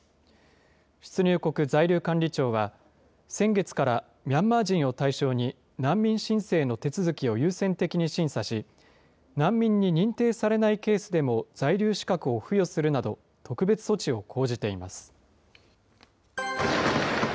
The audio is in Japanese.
出入国在留管理庁は、先月からミャンマー人を対象に、難民申請の手続きを優先的に審査し、難民に認定されないケースでも在留資格を付与するなど、特別措置を講じています。